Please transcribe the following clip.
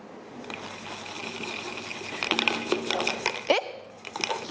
えっ？